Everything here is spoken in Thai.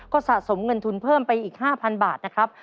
ก็สะสมเงินทุนเพิ่มไปอีก๕๐๐บาทนะครับ